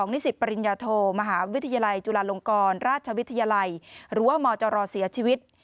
นิสิตปริญญาโทมหาวิทยาลัยจุฬาลงกรราชวิทยาลัยหรือว่ามจรเสียชีวิต